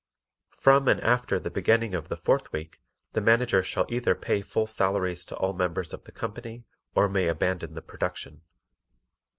From and after the beginning of the fourth week the Manager shall either pay full salaries to all members of the company or may abandon the production.